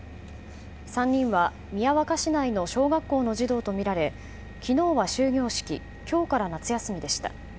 ３人は宮若市内の小学校の児童とみられ昨日は終業式今日から夏休みでした。